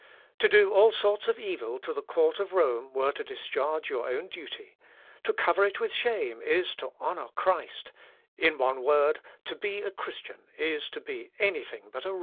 To do all sorts of evil to the Court of Rome were to discharge your own duty; to cover it with shame is to honour Christ; in one word, to be a Christian is to be anything but a Roman.